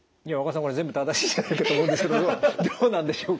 これ全部正しいんじゃないかと思うんですけどどうなんでしょうか？